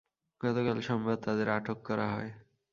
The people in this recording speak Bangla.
গতকাল সোমবার তাঁদের আটক করা হয়।